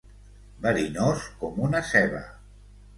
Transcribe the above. Verinós com una ceba.